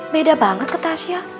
beda banget ke tasya